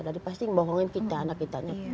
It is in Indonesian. jadi pasti bohongin kita anak kita